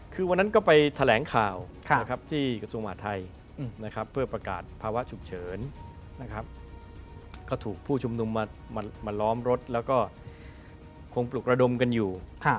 คือวันนั้นก็ไปแถลงข่าวที่กสมไทยเพื่อประกาศภาวะฉุกเฉินก็ถูกผู้ชมนุมมาล้อมรถแล้วก็คงปลุกระดมกันอยู่